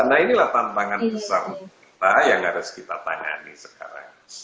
nah inilah tantangan besar kita yang harus kita tangani sekarang